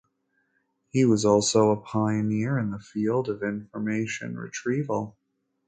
He was also a pioneer in the field of information retrieval.